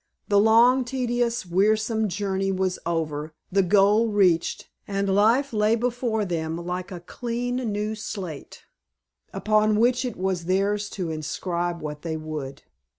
The long, tedious, wearisome journey was over, the goal reached, and life lay before them like a clean new slate, upon which it was theirs to inscribe what they would.